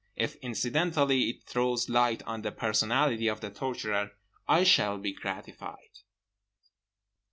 If incidentally it throws light on the personality of the torturer I shall be gratified.